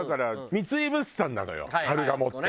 三井物産なのよカルガモって。